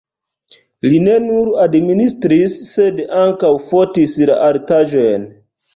Li ne nur administris, sed ankaŭ fotis la artaĵojn.